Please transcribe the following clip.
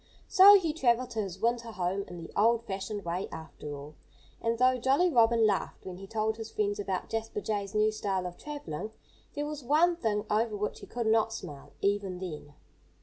So he travelled to his winter home in the old fashioned way, after all. And though Jolly Robin laughed when he told his friends about Jasper Jay's new style of travelling, there was one thing over which he could not smile, even then.